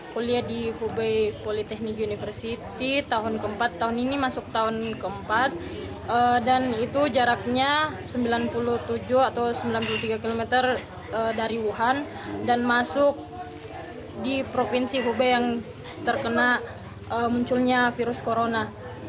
kuliah di hubei politeknik university tahun keempat tahun ini masuk tahun keempat dan itu jaraknya sembilan puluh tujuh atau sembilan puluh tiga km dari wuhan dan masuk di provinsi hubei yang terkena munculnya virus corona